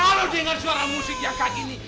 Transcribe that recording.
kalau dengar suara musik yang kayak gini